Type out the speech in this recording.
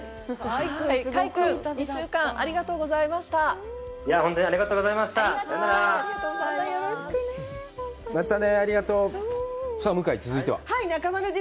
快君、２週間、ありがとうございました。